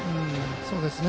そうですね。